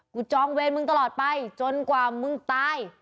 จองเวรมึงตลอดไปจนกว่ามึงตาย